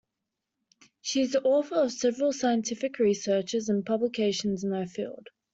She is the author of several scientific researches and publications in her field.